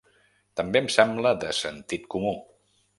També em sembla de sentit comú.